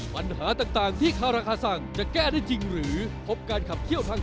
วันนี้เข้าใจชัดเจน